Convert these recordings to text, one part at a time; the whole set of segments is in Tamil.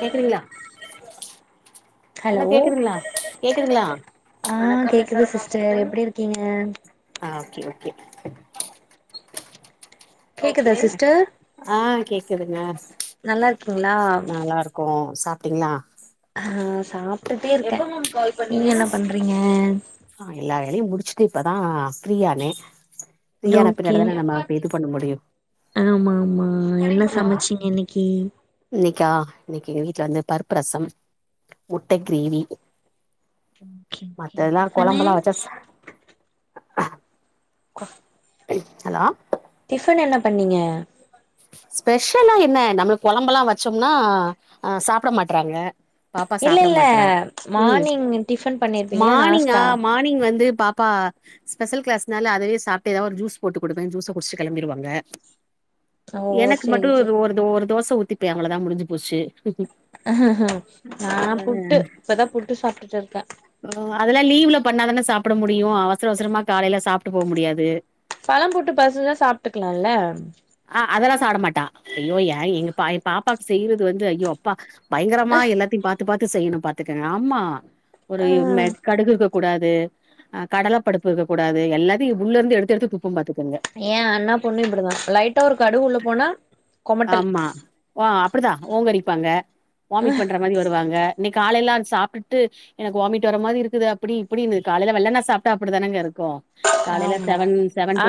கேக்குதுங்களா நல்லா ஹலோ கேக்குதுங்களா கேக்குதுங்களா ஆ கேக்குது சிஸ்டர் எப்டி இரு கீங்க ஆ ஓகே ஓகே கேக்குதா சிஸ்டர் ஆ கேக்குதுங்க நல்லா இருக்கீங்களா நல்லா இருக்கோம் சாப்பிட்டீங்களா ஆ சாப்பிட்டுட்டே இருக்கேன் நீங்க பண்ண என்ன பண்றீங்க ஆ இல்ல வேலய முடிச்சுட்டு இப்பதான் ஃப்ரீயானே ஃப்ரீயான பின்னாடி தான நம்ம இது பண்ண முடியு ஆமா ஆமா என்ன சமைச்சீங்க இன்னைக்கு க்கா இன்னைக்குங்க வீட்டுல வந்து பருப்பு ரசம் முட்ட ஓகே கிரேவி ஓகே மத்ததெல்லாம் டிஃபனு குழம்பெலாம் வச்சாச்சா ஹலோ டிஃபன் என்ன பண்ணீங்க ஸ்பெஷலா என்ன நம்ம குழம்பல்லாம் வச்சோம்னா அ சாப்பட மாட்டறாங்க இல்ல இல்ல மார்னிங் டிஃபன் பண்ணிருப்பீங்கல்லே மார்னிங்கா நாஸ்டா மார்னிங் வந்து பாப்பா ஸ்பெஷல் கிளாஸ்னால அதவே சாப்ட்டு ஏதாவது ஒரு ஜூஸ் போட்டு கொடுப்பேன் ஜூஸை குடிச்சு கிளம்பிடுவாங்க ஓ எனக்கு சேரி மட்டும் சேரி ஒரு ஒரு தோசை ஊத்திப்ப அவ்ள தான் முடிஞ்சு போச்சு நா அவ்ளோதா புட்டு இப்பதா புட்டு சாப்டுட்டு இருக்கே அதெல்லா லீவ்ல பண்ணாதானே சாப்ட மோத் எப்பயு அவசர அவசரமா காலையி சாப் டு போ முடியாது பழம் போட்டு பசிச்சா சாப்ட்டுக்கலாம்ல ஆ அதெல்லா சாப்பட மாட்டா ஐயோ ஏன் எங்க பா என் பாப்பாவுக்கு செய்யறது வந்து ஐயோ அப்பா பயங்கரமா எல்லாத்தையு பாத் பாத்து பாத்து செய்யணு பாத்துக்கங்க ஆமா ஒரு மெட் கடுகுக்கு கூடாது கடல பருப்பு இருக்கக்க கூடாது எல்லத்தையு உள்ள இருந்து எடுத்து எடுத்து துப் ஏன் அண்ணா பொண்ணு இப்படிதா லைட்டா ஒரு கடுவு உள்ள போனா கொமட்டல் அப்படிதா ஓங்கரிப்பாங்க வாமிட் பண்ற மாரி வருவாங்க இன்னை காலையிலா சாப்டுட்டு எனக்கு வாமிட் வர மாதிரி இருக்குது அப்படி இப்படி இருது காலைல வெள்ளன சாப்ட்டா அப்டிதானேங்க இரு ஆமா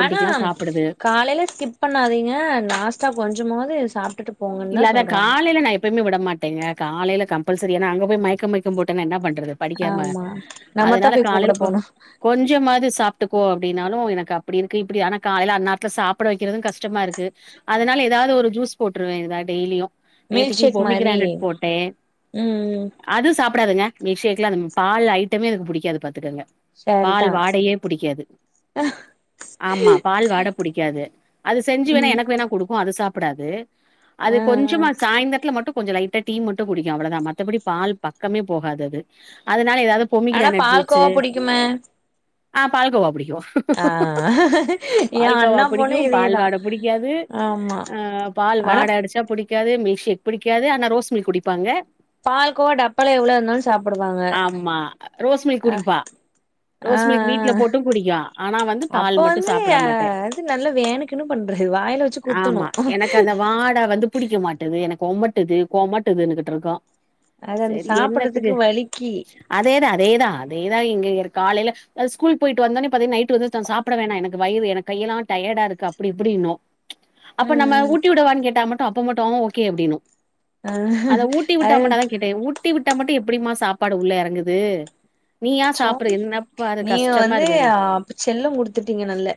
ஆனா சாப்டுது காலையில ஸ்கிப் பண்ணாதீங்க நா பாஸ்தா கொஞ்சமாவது சாப்டுட்டு இல்ல அத காலையில நா எப்பயுமே விடமாட் டேங்க காலைல கம்பல்சரி ஏனா அங்க போய மயக்கம் மயக்கம் போட்டேனா என்ன பண் ன்றது படிக்காம ஆமா நம்மத்தா அதனால போய் கூப்ட காலையில போனு கொஞ்சமாது சாப் டுக்கோ அப்படின்னாலு எனக்கு அப்படி இருக்கு இப்பிடி ஆனா காலைல அந்நார்த்துல சாப்பிட வைக்கிறது கஷ்டமா இருக்கு அதனால ஏதாவது ஒரு ஜூஸ் போட்டு ட்ருவே ஏதா டெய்லியு மில்க் நேத்திக்கு ஷேக் மாரி பொமிகிரானட் போட்டே ம் அது சப் ப்படாதுங்க மில்க்ஷேக்ல அந்த பால் ஐட்டமே அதுக்கு புடிக்காது பாத்துக்கோங்க பால் சரிதா வாடையே புடிக்காது ஆமா பால் வாட புடிக்காது அது செஞ்சு வேணா ம் எனக்கு வேணா கொடுக்கு அது சாப் ப்படாது அது ஆ ஆ கொஞ்சமா சாயந்திரத்துல மட்டும் கொஞ்சம் லைட்டா டீ மட்டு குடிக்கு அவ்வளோ தா மத்தபடி பால் பக்கமே போகாது அது அத ஆனா பால்கோவா புடிக்குமே ஆ பால்கோவா புடிக் ஆ ஏ பால்கோவா அண்ணா பொண்ணு புடிக்கு இதேதா பால்வாட புடிக்காது ஆமா ஆஹ் ஆனா பால்வாட அடிச்சா [inaudible] புடிக்காது மீல்க் ஷேக் புடிக்காது ஆனா ரோஸ் மீ்ல்க் குடிப்பாங்க பால்கோவ டப்பால எவ்வளவு இருந்தாலு சாப்பிடுவாங்க ஆமா ரோஸ் மில்க் அஹ் குடிப்பா ரோஸ் மில்க் வீட்ல ஆஹ் போட்டு குடிக்கா ஆனா வந்து அப்ப பால் மட்டு வந்து சாப்ட மாட்டே அஹ் இது நல்ல வேனுக்குன்னு பண்றது வாயில வச்சு குத்தணு ஆட வந்து புடிக்க மாட்டது எனக்கு ஒமட்டுது கோமட்டுதுன்னுகிட்டு இருக்கு அது அந்த சரி சாப்புட்றதுக்கு என்னத்துக்கு வலிக்கி அதேதா அதேதா அதே ஏதாது இங்க காலைல ஸ்கூல் போயிட்டு வந்தோடனே பாத்தீங்க நைட்டு வந்து தா சாப்பிட வேணா எனக்கு வயிறு என கையெல்லா டயர்டா இருக்கு அப்படி இப்படின்னு அப்ப நம்ம ம் உட் கேட்டா மட்டு அப்ப மட்டு அ ஓகே அப்படின்னு ஆ அத ஊட்டிவுட்ட அது மட்டு அதா கேட்டே ஊட் ஊட்டி விட்டா மட்டு எப்படிமா சாப்பாடு உள்ள இறங்குது சோ நீ வந்து இருக்கு அப்பு செல்ல குடுத்துட்டீங்க நல்ல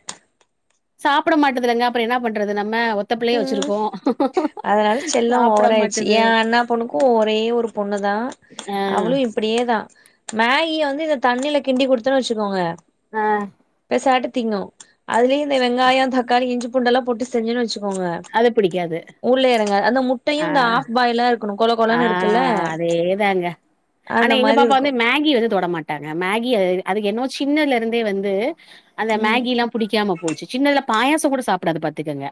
சாப்பிட மாட்டதுல்லங்க அப்புறோ என்ன பண்றது நம் மே ஒத்தப்பிள்ளைய வச்சிருக் ம் அதனால செல்லோ ஓவராயிடுச்சு எ மாட்டுது அண்ணா பொண்ணுக்கு ஒரே ஒரு பொண்ணுதா அவளு இப்டியே தா மேகிய வந்து இந்த தண்ணியில கிண்டி குடுத்தனு வச்சுக்கோங்க அ சாட்டு திண்ணு அதுலே ந்து வெங்காயோ தக்காளி இஞ்சு பூண் பூண்டல்லா போட்டு செஞ்சன வச்சுக் அது பிடிக்காது அந்த முட்டையு இந்த ஆஹ் ஆஃப் பாயிலா இருக்கணு கொல கொலன்னு இருக்குல்ல ஆஹ் அதேதாங்க ஆனா அந்த எங்க மாரி பாப்பா இருக்கு வந்து மேகி வந்து தொட மாட்டாங்க மேகி அ எ அதுக் என்னவோ சின்னதுல இருந்தே வந்து அந்த ம் மேகி எல்லா புடிக்காம போச்சு சின்னதுல்ல பாயாச கூட சாப்பிடாது பாத்துக்கோங்க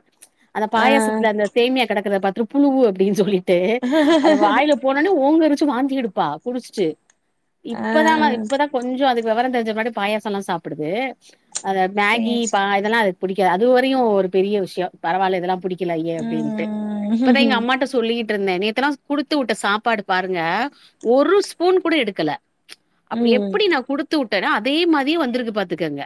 அந்த ஆ பாயசத்துல அந்த சேமியா கிடடக்கறத பாத் ட்ரு புழுவு அப்படின் சொல்லி ட்டு அத வாயில போனனே ஓங்கரு [unintelligible] வாந்தியேடுப்பா குடிச்சிட்டு ஆ ஆ இப்பதாமா இப்பதா கொஞ்ச அதுக் விவர தெரிஞ்ச பின்னாடி பாயாசல்லா சாப்பிடுது அது மேகி சேரி பா சேரி இதெல்லா பிடிக்காது அதுவரையு ஒரு பெரிய விஷ்யோ பரவால்ல இதல்லா புடிக் கில அய்யே அப்படின்ட்டு இப்பதா எங்க ம் அம்மாட்ட சொல்லி ட்ருந்தே நேத்துனா குடுத்துவுட்ட சாப்பாடு பாருங்க ஒரு ஸ்பூன் கூட எடுக்கல அப்டி ம் எப்டி நா குடுத்து உட் டனா அதே மாதிரியே வந்தருக்கு பாத்துக்கங்க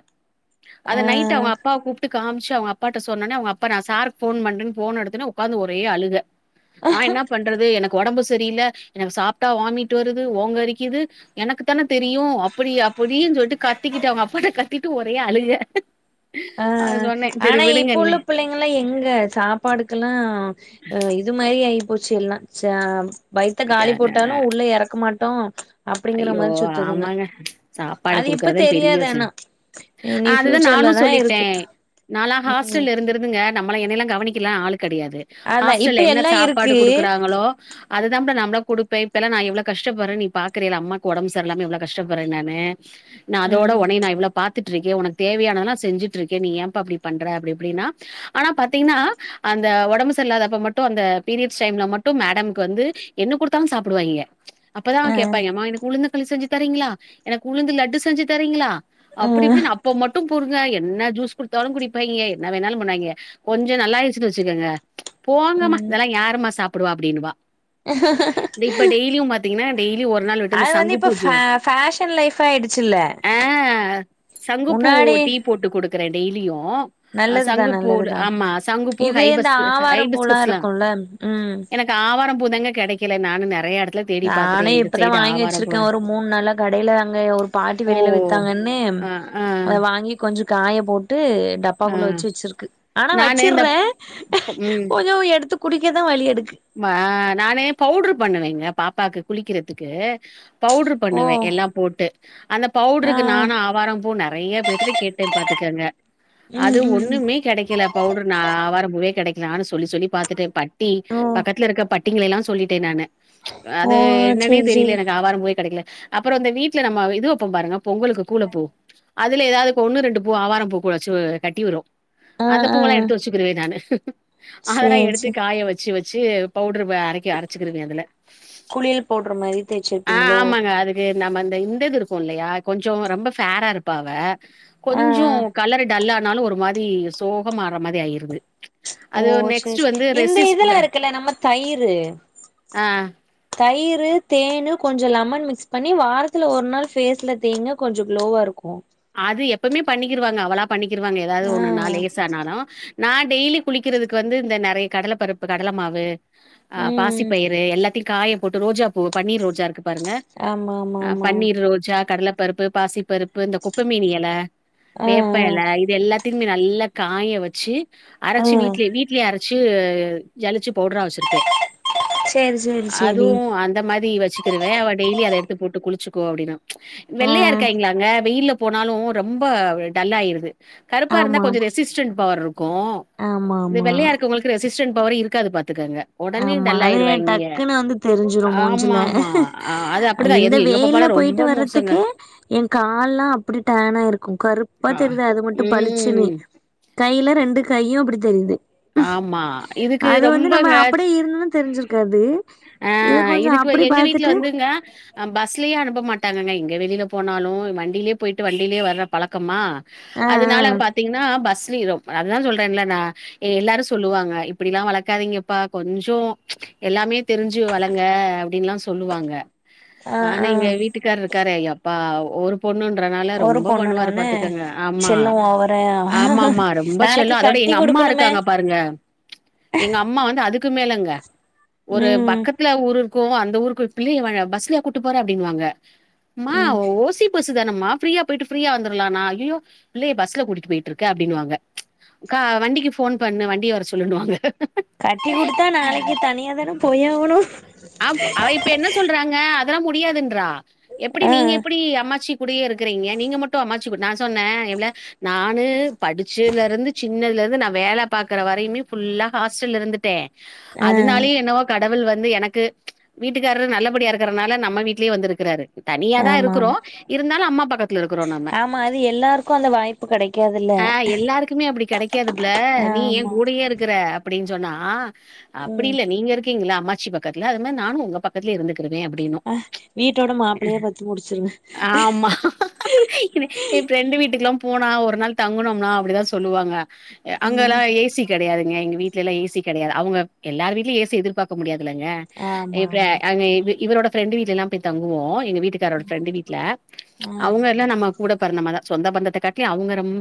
அத ஆ நைட்டு அவங்க அப்பாவ கூப்ட்டு காம்ச்சு அவுங்க அப்பாட்ட சொன்னோன்னே அவுங்க அப்பா சாரு ஃபோன் பண்றேனு போன் எடுத்துடனே ஒக்காந்து ஒரே அழுகை நா என்னா பண்றது எனக்கு ஒடம்பு செரியில்ல எனக்கு சாப்ட்டா வாமிட் வருது ஓங்கரிக்கிது எனக்குதானே தெரியு அப்டி அப்டிஞ் சொல்ட்டு கத்திகிட்டு அவுங்க அப்பாட்ட கத்திட்டு ஒரே அழுக அ அது சொன்னே சரி ஆனா இப்ப உள்ள விடுங்கன்னே பிள்ளைங்லா எங்க சாப்பாடுக்குல்லா அ இது மாரி ஆகி போச்சு எல்லா ச வயித்த காலி போட்டாலு உள்ள எறக்கமாட் தோ ஐயோ ஆமாங்க சாப்பாட அது இப்ப குடுக்றதா பெரிய தெரியாது விசயம் ஆனா இனி அதுதா ஃபியூச்சர்ல நானு தா சொல்லிட்டே இருக்கு நாளா ம் ஹாஸ்டல்ல இருந்திருந்துங்க நம்மள என்னெல்லா கவனிக்கலா ஆளு கெடையாது அதா இப்ப ஹாஸ்டல்ல என்ன எல்லா சாப்பாடு இருக்கு குடுக்குறாங்களோ அதுதாம்ல நார்ம்ளா குடுப்பே இப்பலா நா எவ்ள கஷ்டபறே நீ பாக்குறேல அம்மாக்கு ஒடம்செர்லாம எவ்ளோ கஷ்டபட்றே நானு நா அதோட ம் உனய நா இவ்ளோ பாத் த்ட்ருக்கே உனக்கு தேவையானதெல்லா செஞ்சுட்ருக்கே நீ ஏம்பா அப்டி பண்ற அப்டி இப்டினா ஆனா பாத்தீங்னா அந்த ஒடம்பு செர்ல்லாதப்ப மட்டு அந்த பீரியட்ஸ் டைம்ல மட்டு மேடம்க்கு வந்து என்ன குடுத்தாலு சாப்டுவாய்ங்க அப்பதா ஆ கேப் உளுந்த களி செஞ்சு தரீங்ளா எனக்கு உளுந்து லட்டு செஞ்சு தரீங்ளா ஆ அப்டி இப்டின் அப்ப மட்டூ ருங்க என்ன ஜூஸ் குடுதாலு குடிபாய்ங்கே என்ன வேணாலு பண்ணாய்ங்க கொஞ்சொ நல்லாயிடுசுனு வச்சுகங்க போங்கமா ம் இதெல்லா யாரும்மா சாப் குடுவா அப்டினுவா இப்ப டெய்லியூ பாத்தீங்கனா டெய்லி ஒட் அது வந்து இப்போ ஃபே ஃபேஷன் லைஃப்அ ஆயிடுசுல்ல ஆ முன்னாடி கிர டெய்லியூம் ஆ அ நல்லதுதா சங்கு பூ நல்லதுதா ஆமா சங்கு பூ இது இந்த ஹைபஸ்கு குஹ ஆவாரம் பூலா ஹைபிஸ்கஸ்ல இருக்குல்ல ம் எனக்கு ஆவார பூ பூ தாங்க கெடைகல நானு நெறயா இடத் ட்ல தேடி பாத்துட்டே எந்து இதா வாங்கி வச்சிருக்கே ஒரு மூணு நாள்ல கடைல அங்க ஒரு பாட்டி ஓ வெளில வித்தாங்கன்னு ஆ ஆ அத வாங்கி கொஞ் ஞ்ச காய போட் டு டப்பாக்குள்ள ஆ வெச்சு வெச்சிருக்கு ஆனா நானு இந்த வெச்சிர்றே கொஞ்சோ எடுத்து குடிக்க தா வலி எடு ம்ம நானு பவுட்ரு பண்ணுவேங்க பாப்பாக்கு குளிக்கிறதுக்கு பவுட்ரு ஓ பண்ணுவே எல்லாம் போட்டு அந்த ஆ பவுட்ருக்கு நானு ஆவாரம் பூ நறைய பேத்துட்ட கேட்டே பாத்துக்கங்க அது ம் ம் ஒண்ணுமே கெடைக்கில பவுட்ரு நா ஆவார பூவே கெட நானு ஸ் சொல்லி சொல்லி பாத்துட்டே பட்டி ஓ க பட்டிங்கள எல்லா சொல்லிட்டே நானு ஓ அது என்னன்னே சேரி தெரில சேரி எனக்கு ஆவாரம் பூவே கெடக்கல அப்புற இந்த வீட்ல நம்ம இது வெப்போம் பாருங்க பொங்கலுக்கு கூலப்பூ அதுல எதாவது இப்ப ஒண்ணு ரெண்டு பூ ஆவாரம் பூ கூ வெச்சு கட்டி வரு ஆ அந்த ஆ பூவலா எடுத்து வெச்சுக்குருவே நானு அதெல்லா சேரி எடுத்து சேரி காய வெச்சு வெ ச்சு பவுட்ரு வ அரைக்கி அரைச்சுக்குருவே அதுல குளியல் போட்ற மாரி ஆ தேய்ச்சிருப்பீங்களோ ஆமாங்க அதுக்கு நம்ம அந்த இந்தது இருக்கு இல்லையா கொஞ்சோ ரொம்ப ஃபேரா இருப்பா அவ ஆ ஆ கொஞ்சூ கலரு டல்லா னாலு ஒரு மாதி சோகம் ஆற மாதி ஆயிருது ஓ அது செரி நெக்ஸ்ட் ச வந்து இந்த ரெசிஸ் இதுல இருக் ல நம்ம தயிரு ஆ தயி ரு தேனு கொஞ்சோ லெமன் மிக்ஸ் பண்ணி வாரத்துல ஒரு நாள் ஃபேஸ்ல தேய்ங்க கொஞ்சோ க்ளோவா இருக்கு அது எப்பமே பண்ணிக்கிருவாங்க அவளா பண்ணிக்கிருவாங்க எதாவது ஆ ஒண்ணு நா லேச ஆனாலு நா டெய்லி குளிக்கிறதுக்கு வந்து இந்த நறைய கடல பருப்பு கடல மாவு ஆஹ் பாசி ம் பயிறு எல்லாத்த காய போட்டு ரோஜாப்பூவு பன்னீர் ரோஜா இருக்கு பாருங்க ஆமா ஆமா அ ஆமா பன்னீர் ரோஜா கடல பருப்பு பாசி பருப்பு இந்த ப்பமேனி எல ஆ வேப்ப எல இது எல்லா ம்பி நல்லா காய வெச்சி ஆ ஆ அரைச்சி வீட்லே வீட்லே அரை சு ஜலிச்சு பவுட்ரா வெச்சிருப்பே சேரி சேரி சேரி அதுவு அந்த மாரி வெச்சுக்கிருவே அவ டெய்லி அத எடு போட்டு குளிச்சிக்கோ அப்படின்னா ஆ வெள்ளையா இருக்காய்ங்களாங்க வெயில போனாலு ரொம்ப டல்லா ஆயிருது கருப்பா இருந்தா ஆமா கொஞ்ச ரெசிஸ்டன்ட் பவர் இருக்கு ஆமா ஆமா இந்த ஆமா. வெள்ளையா இருக்கவங்களுக்கு ரெசிஸ் ரெசிஸ்டன்ட் பவர் இருக்காது பாத் ஆமா அது என் டக்குன்னு வந்து தெரிஞ்சிடு மூஞ்சில ஆமாமா. அ அது அப்படிதான். எது இந்த எங்க வெயில பாப்பாலாம் ரொம்ப போயிட்டு மோசங்க. வர்றதுக்கு ஏ கால்லா அப்டி டான இருக்கு கருப்பா அ தெரியுது அது மட்டு பழிச்சுன்னு ம். கையில ரெண்டு கையு அப்டி தெரியுது ஆமா இதுக்கு அது வந்து நம்ம ரொம்பங்க அப்டியே இருந்தோம்னா தெரிஞ்சிருக்காது. இத ஆஹ் கொஞ்சம் இதுக்கு அப்டி எங்க வீட்டுல பாத்துட்டு வந்துங்க பஸ்லயே அனுப்ப மாட் டாங்க எங்க வெளியில போனாலு வண்டிலேயே போயிட்டு வண்டிலயே வர்ர பழக்கமா ஆ அதனால பாத்தீங்கன்னா பஸ் திரிரும் அததா சொல்றேன்ல்ல நா எல்லாரு சொல்லுவாங்க இப்படிலா வளக்காதீங்கப்பா கொஞ்சொ எல்லாமே தெரிஞ்சு வளங்க அப்படின்ல்லா சொல்லுவாங்க ஆ ஆ ஆனா ஆ இங்க வீட்டுக்கார இருக்கரு யா எப் ப்பா ஒருப் பொண்ணுன்றனால ஒரு ரொம்ப பண்ணுவாரு பொண்ணுனோனே பாத்துக்கங்க ஆமா செல்லம் ஓவரா ஆமா ஆமா ரொம்ப நாளைக்கு செல்ல அதோட கட்டி எங்க அம்மா இருக் குடுக்கணுமே. க்கங்க பாருங்க எங்க அம்மா வந்து அதுக்கு க்கு மேளங்க ஒரு ம் பக்கத்துல ஊரு க்கும் அந்த ஊருக்கு பிள்ளை வேர பஸ்லயா கூட்டு போற அப்டிபின்வாங்க மா ம் ஓசி பஸ் தானம்மா ஃப்ரீயா போயிட்டு ஃப்ரீயா வந்துரலானா ஐயயோ பிள்ளயை பஸ்ல கூட்டிட்டு போயிட்டு இருக்க அப்பிடின்டுவாங்க கா வண்டிக்கு போன் பண்ணு வண்டிய வர சொல்லனுவாங்க கட்டி குடுத்தா நாளைக்கு தனியா தானே போய்யாகணு அதல்லா முடியாதுன்றா எப்படி நீங்க எப்படி அம்மாச்சி கூடியே இருக்கறீங்க நீங்க மட்டு அமாச்சு நா சொன்னே எவ்ள நானு படிச்சல இருந்து சின்னல இருந் வேல பாக்குர வரையுமே புஃபுல்லா ஹாஸ்டல் இருந்துட்டே ஆ அதனாலயு என்னவோ க கடவுள் வந்து எனக்கு வீட்டுக்காரர் நல்லபடியா இருக்கறனால நம்ம வீடலேயே வந்திருக்கிறாரு தனியா தா ஆமா இருக்குறோ ஆமா இருந்தாலு அம்மா பக்கத்துல இருக்குறோ நம்ம ஆமா அது எல்லாருக்கு அந்த வாய்ப்பு கெடைக்காதுல்ல ஆஹ் எல்லாருக்குமே அப்டி கெடைக்காது புள்ள நீ ஏ ஆமா கூடயே இருக்குற அப்டின் [unintelligible] அப்டி ம் இல்ல நீங்க இருக் கீங்கல்ல அம்மாச்சி பக்கத்துல அது மாரி நானு உங்க பக்கத்துலே இருந்துக் வே அப்டினு அ வீட்டோட மாப்பிள்ளையா பாத்து முடிச்சிருங்க ஆம்மா எ ஃப்ரண்டு வீட்டுக்கெல்லா போனா ஒரு நாள் தாங்குனம்னா அப்டிதா சொல்லுவாங்க எ அங்கெல்லா ம் ஏ சி கெடையாது ங்க எங்க வீட்லெல்லா ஏ சி கெடையாது அவுங்க எல்லாரு வீட்டிலயு ஏ சி எதிர்பாக்க முடியாத் ல்லங்க ஆமா இப்டியே ஆமா அங்க இது இவரோட ஃப்ரெண்டு வீட்லெல்லா போய் தங்குவோ எங்க வீட்டுக்காரோட ஃப்ரெண்டு வீட்டுல ம் அவுங்க எல்லா நம்ம கூட பிறந்த மாரிதா சொந்த பந்தத்த காட்லயு அவங்க ரொம்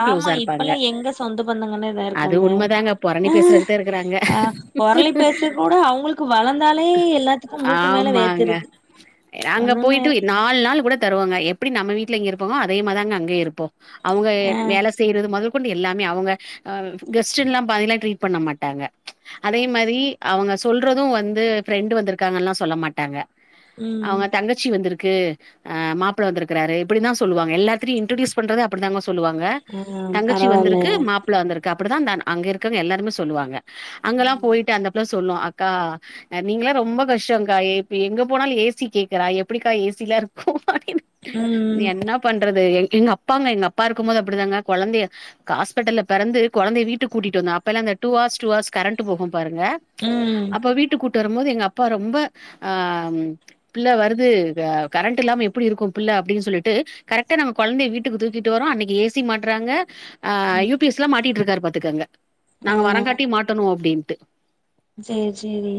ஆமா இப்பெல்லா எங்க சொந்த பந் ங்கன்ன தா அது இருக்காங்க உண்மதாங்க பொரணி அஹ் பேசுறதுக்குதான் இருக்கறாங்க. அ பொரலி பேசற கூட அவங்களுக்கு வளந்தாலே எல்லாத்துக்கு மூக்கு மேல ஆமாங்க. வேத்துருது நன்னன்னயா எப்டி நம்ம வீட்டில இங்கே இருப்போமோ அதே மாரி தாங்கே அங்கயு இருப்போ அவங்க எ ஆ வேல செய்யறது முதல் கொண்டு எல்லாமே அவங்க அஹ்ம் கெஸ்ட் எல்லா பையங்களே ட்ரீட் பண்ண மாட்டாங்க ச்சு அதே மாரி அவங்க சொ சொல்றது வந்து ஃப்ரெண்டு வந்திருக்காங்கல்லா சொல்ல மாட்டாங்க ம் அவங்க தங்கச்சி வந்திருக் க்கு ஹ மாப்பிள வந்திருக்கிறாரு இப்டிதா சொல்வாங்க எல்லாடத்திலேயு இன்ட்ரொட்யூஸ் பண்றதே அப்டிதாங்க சொல் சொல்லுவாங்க ஆ தங்கச்சி பரவால்ல வந்திருக்கு மாப் ருக்கு அப்படிதா தன் அங்க இருக்கங்க எல்லாருமே சொல்லுவாங்க அங்கெல்லா போயிட்டு அந்த பிளஸ் தொன்னு அக்கா அ நீங்களா ரொம்ப கஷ்டோங்கா எப்டி எங்க போனாலு ஏ சி கேக்குறா எப்டிக்கா ஏ சி லா இருக்கு படினு ம் என்ன பண்றது எங்க அப்பாங்க எங்க அப்பா இருக்குபோது அப்டிதாங்க கொழந்தைய காஸ்பிடல பிறந்து கொழந்தைய வீட்டுக்கு கூட்டிட்டு வந்த அப்பய்லா அந்த two horse two horse current போகு பாருங்க ம் அப்ப வீட்டுக்கு கூட் ட்டு வரும்போது எங்க அப்பா ரொம்ப அஹ் பிள்ள வருது அ கரண்ட் இல்லாம எப்பிடி இருக்கு பிள்ள அப்டின் சொல்லிட்டு கரெக்டா நாங்க கொழந்தைய வீட்டுக்கு தூக்கிட்டு வரோ அன்னைக்கு ஏசி மாட்றாங்க ஆ யூ பி எஸ் ல மாட்டிட்டு இருக்காரு பாத்துக்காங்க ஆ நாங்க வரங் காட்டி மாட்டணும் அப்படின்னு சேரி சேரி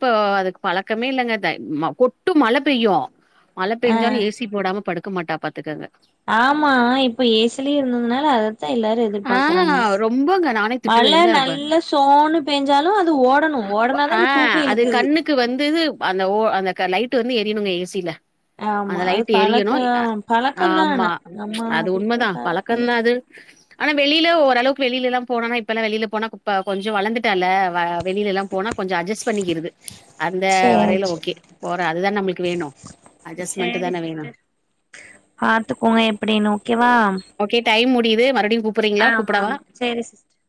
ப்போ அதுக்கு பழக்கமே இல்லங்க த மா கொட்டு மழை பெய்யு மழை ஆ பெஞ்சாலும் ஏ சி போடாம படுக் க்க மாட்டா பாத்துக்கங்க ஆமா இப்ப ஏ சில இருந்ததுனால அத சா எல்லாரூ ஆ எதிர்பாகக்குறாங்க ரொம்பங்க நானே திட்டுவே மழை எம்ல நல்ல சோனுு பெஞ்சாலும் அது ஓடணும் ஓடனாதா ஆ இங்க தூக்கு அது இழுக்குது கண்ணுக்கு வந்து இது, அந்த ஓ அந்த க லைட்டு வந்து எரியிணுங்க ஏ சில ஆமா அது பழக்கம் பழக்கந்தா ஆமா ந நம்ம அது குடுக்க உண்மதா பழக்க பழக்கந்தா [unintelligible] அது ஆனா வெளியில ஓரளவுக்கு வெளிலெல்லா போனோன்னா இப்பல்லா வெளியில போனா குப்ப கொஞ்சோ வளந்துட்டல்ல வ வெளிலெல்லா போனா சொஞ்சோ அட்ஜஸ் பண்ணிக்கிறது அந்த சேரி வரையில சேரி ஓகே போற அதுதா நம்புள்க்கு வேணு அட்ஜஸ்ட்மென்ட்டு சேரி நான வேணு சிஸ்டர் பாத்துக்கோங்க எப்டின்னு ஓகேவா ஓகே டைம் முட் இதே மறுபுடியும் ஆமா ஆமா சேரி சிஸ்டர்